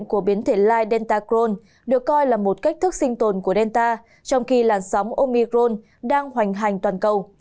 quay trở lại với các tin tức trong nước